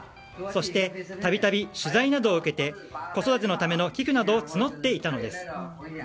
そして度々、取材などを受けて子育てのための寄付などを募っていたのです。